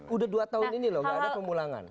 udah dua tahun ini loh gak ada pemulangan